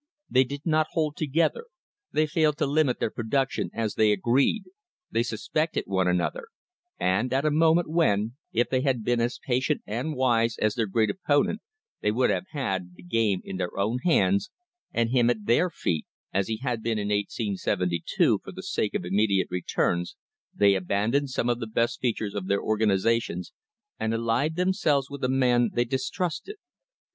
They did not hold together — they failed to limit their production as they agreed, they suspected one another, and at a moment, when, if they had been as patient and wise as their great opponent they would have had the game in their own hands, and him at their feet, as he had been in 1872, for the sake of immediate returns, they abandoned some of the best features of their organisation, and allied themselves with a man they distrust ed.